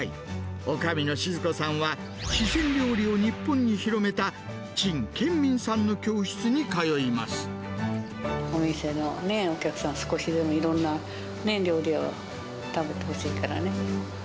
おかみの静子さんは四川料理を日本に広めた陳建民さんの教室に通お店のお客さんに、少しでもいろんなね、料理を食べてほしいからね。